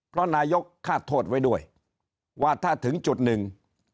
เพราะนายกคาดโทษไว้ด้วยว่าถ้าถึงจุดหนึ่ง